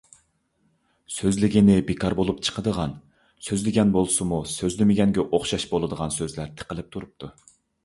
سۆزلىگىنى بىكار بولۇپ چىقىدىغان، سۆزلىگەن بولسىمۇ سۆزلىمىگەنگە ئوخشاش بولىدىغان سۆزلەر تىقىلىپ تۇرۇپتۇ.